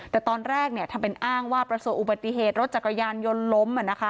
แต่ตอนแรกทำเป็นอ้างว่าประสบอุบัติเหตุรถจักรยานยนต์ล้ม